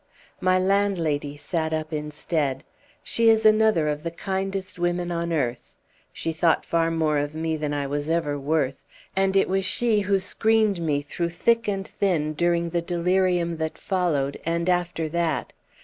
"My landlady sat up instead. She is another of the kindest women on earth; she thought far more of me than I was ever worth, and it was she who screened me through thick and thin during the delirium that followed, and after that.